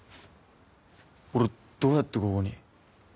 俺どうやってここに？